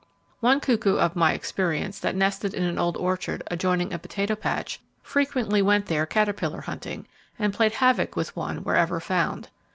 One cuckoo of my experience that nested in an old orchard, adjoining a potato patch, frequently went there caterpillar hunting, and played havoc with one wherever found.